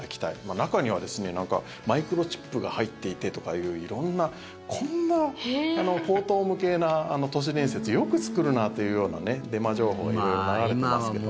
中には、マイクロチップが入っていてとかいう色んなこんな荒唐無稽な都市伝説よく作るなというようなデマ情報も色々流れていますけれど。